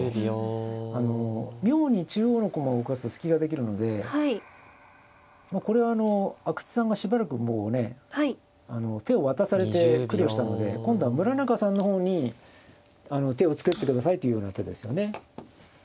妙に中央の駒を動かすと隙ができるのでこれは阿久津さんがしばらくもうね手を渡されて苦慮したので今度は村中さんの方に手を作って下さいというような手ですよね。